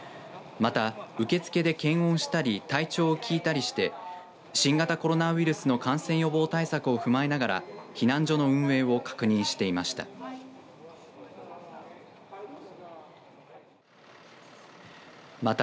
また、受け付けで検温したり体調を聞いたりして新型コロナウイルスの感染予防対策を踏まえながら避難所の運営を確認していました。